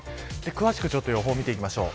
詳しく予報を見ていきましょう。